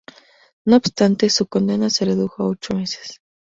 No obstante su condena se redujo a ocho meses.